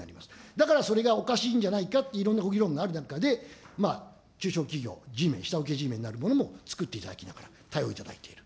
だからそれがおかしいんじゃないかっていろんなご議論がある中で、中小企業、Ｇメン、下請けＧメンなるものもつくっていただきながら、対応いただいている。